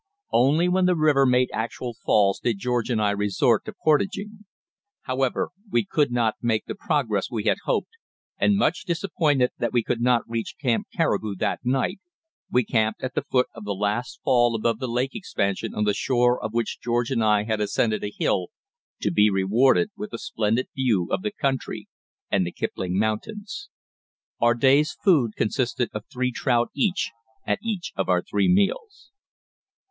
Only when the river made actual falls did George and I resort to portaging. However, we did not make the progress we had hoped, and much disappointed that we could not reach Camp Caribou that night, we camped at the foot of the last fall above the lake expansion on the shore of which George and I had ascended a hill to be rewarded with a splendid view of the country and the Kipling Mountains. Our day's food consisted of three trout each at each of our three meals.